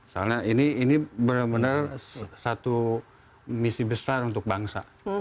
karena ini benar benar satu misi besar untuk bangsa